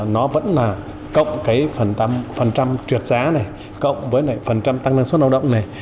nó vẫn là cộng cái phần trăm phần trượt giá này cộng với phần trăm tăng năng suất lao động này